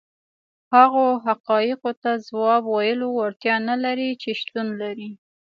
هغو حقایقو ته ځواب ویلو وړتیا نه لري چې شتون لري.